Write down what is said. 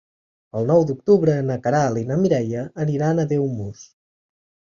El nou d'octubre na Queralt i na Mireia aniran a Ademús.